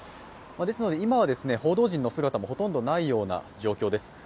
ですので今は報道陣の姿もほとんどないような状況です。